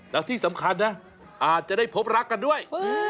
แล้วที่สำคัญนะอาจจะได้พบรักกันด้วย